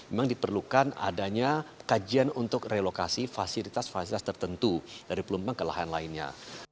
memang diperlukan adanya kajian untuk relokasi fasilitas fasilitas tertentu dari pelumpang ke lahan lainnya